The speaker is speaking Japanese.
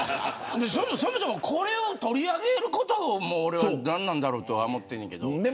そもそもこれを取り上げることも俺は何なんだろうと思うけど。